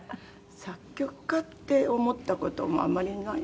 作曲家って思った事もあまりない。